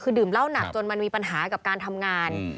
คือดื่มเหล้าหนักจนมันมีปัญหากับการทำงาน